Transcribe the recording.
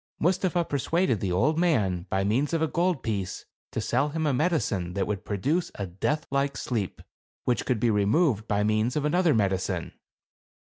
Mustapha persuaded the old man, by means of a gold piece, to sell him a medicine that would produce a death like sleep, which could be removed by means of another medicine.